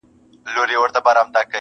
په عاشقي کي بې صبرې مزه کوینه!.